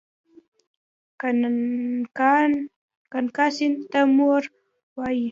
ګنګا سیند ته مور وايي.